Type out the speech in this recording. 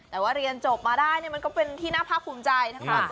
แต่ว่าเรียนจบมาได้มันก็เป็นที่น่าพร่อมใจ